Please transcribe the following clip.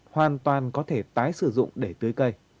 hoàn toàn có thể tái sử dụng để tưới cây